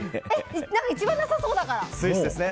一番なさそうだから。